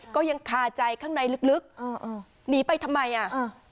ก็ยังคาใจข้างในลึกลึกอ่าหนีไปทำไมอ่ะอ่า